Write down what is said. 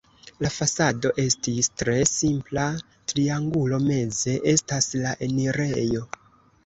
La fasado estas tre simpla triangulo, meze estas la enirejo.